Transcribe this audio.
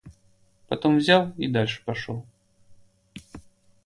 Потом взял и дальше пошёл.